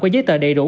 có giấy tờ đầy đủ